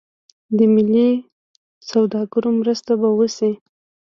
د ملي سوداګرو مرسته به وشي.